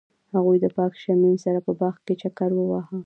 هغوی د پاک شمیم سره په باغ کې چکر وواهه.